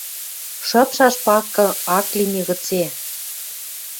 Шыпшаш пакы ак ли нигыце.